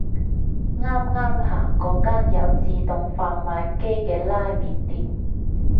啱啱行過間有自動販賣機嘅拉麵店